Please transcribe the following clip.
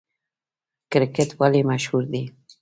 کرکټ ولې مشهور دی؟